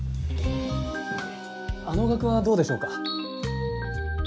あのがくはどうでしょうか？